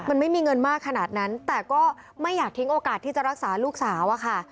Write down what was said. มันไม่มีเงินมากขนาดนั้นแต่ก็ไม่อยากทิ้งโอกาสที่จะรักษาลูกสาวอะค่ะ